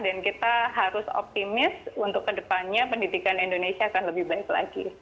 dan kita harus optimis untuk ke depannya pendidikan indonesia akan lebih baik lagi